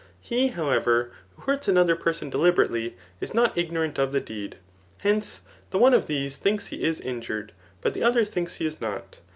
He, however, who hurts another person deliberately, is not ignorant of the deed. Hence, the one of these thinks be is injured, but the other thinks he is not.